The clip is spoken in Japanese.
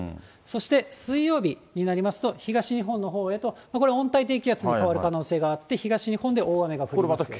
そして、水曜日になりますと、東日本のほうへとこれ、温帯低気圧に変わる可能性があって、東日本で大雨が降りますね。